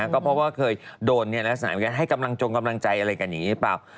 ก็เพราะว่าเคยโดนลักษณะเหมือนกันให้กำลังจงกำลังใจอะไรกันอย่างนี้หรือเปล่า